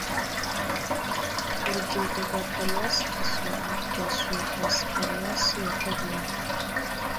urubyiruko rwa paruwasi gisovu rwasuye quasi-paruwasi ya kavumu